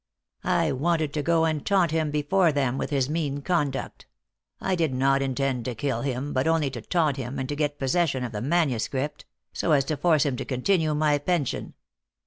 I wanted to go and taunt him before them with his mean conduct. I did not intend to kill him, but only to taunt him, and to get possession of the manuscript, so as to force him to continue my pension.